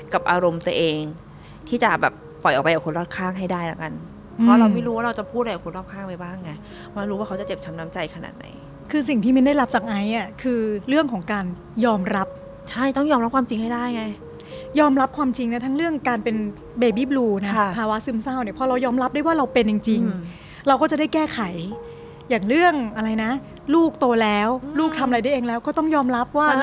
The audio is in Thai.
กับอารมณ์ตัวเองที่จะแบบปล่อยออกไปกับคนรอบข้างให้ได้แล้วกันเพราะเราไม่รู้ว่าเราจะพูดอะไรกับคนรอบข้างไปบ้างไงเพราะรู้ว่าเขาจะเจ็บช้ำน้ำใจขนาดไหนคือสิ่งที่มิ้นได้รับจากไอซ์อ่ะคือเรื่องของการยอมรับใช่ต้องยอมรับความจริงให้ได้ไงยอมรับความจริงนะทั้งเรื่องการเป็นเบบี้บลูนะภาวะซึมเศร้